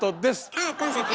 あっコンサート？